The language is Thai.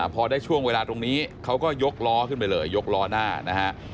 พอได้ช่วงเวลาตรงนี้เขาก็ยกล้อขึ้นไปเลยยกล้อหน้านะฮะ